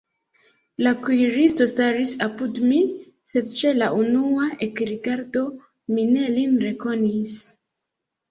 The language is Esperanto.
La kuiristo staris apud mi, sed ĉe la unua ekrigardo mi ne lin rekonis.